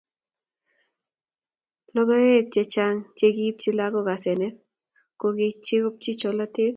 Logoiwek che Chang chekiibchi lagok asenet kochekibo cholatet